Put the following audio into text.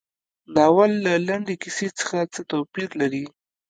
ناول له لنډې کیسې څخه څه توپیر لري.